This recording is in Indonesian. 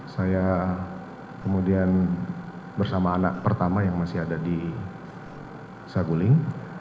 saya kemudian bersama anak pertama yang masih ada di saguling